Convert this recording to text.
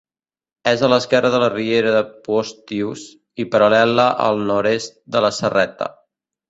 És a l'esquerra de la Riera de Postius, i paral·lela al nord-est de la Serreta.